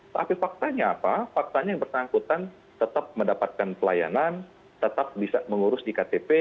tapi faktanya apa faktanya yang bersangkutan tetap mendapatkan pelayanan tetap bisa mengurus di ktp